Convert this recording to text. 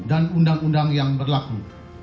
dan undang undang yang berlaku